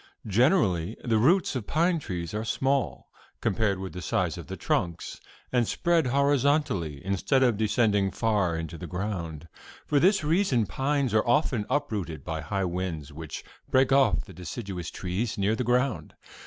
Generally the roots of pine trees are small, compared with the size of the trunks, and spread horizontally instead of descending far into the ground. For this reason pines are often uprooted by high winds, which break off the deciduous trees near the ground.